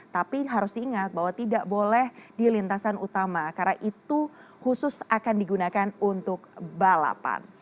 tapi harus diingat bahwa tidak boleh di lintasan utama karena itu khusus akan digunakan untuk balapan